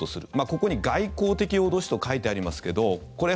ここに外交的脅しと書いてありますけどこれ